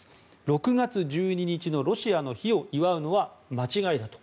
６月１２日のロシアの日を祝うのは、間違いだと。